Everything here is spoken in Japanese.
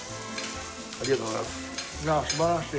ありがとうございます。